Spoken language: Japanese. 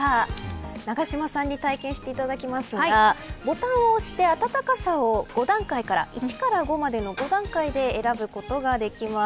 永島さんに体験していただきますがボタンを押して暖かさを５段階から選ぶことができます。